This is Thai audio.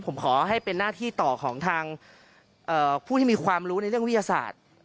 ผมขอให้เป็นหน้าที่ต่อของทางผู้ที่มีความรู้ในเรื่องวิทยาศาสตร์